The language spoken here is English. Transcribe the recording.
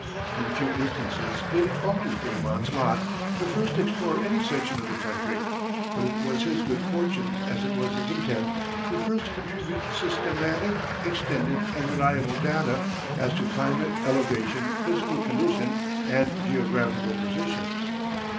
In few instances did it fall to Frémont's lot to first explore any section of the country, but it was his good fortune, as it was his intent, to first contribute systematic, extended, and reliable data as to climate, elevation, physical conditions, and geographical positions.